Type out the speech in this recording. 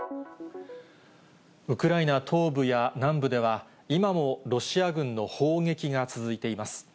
ウクライナ東部や南部では、今もロシア軍の砲撃が続いています。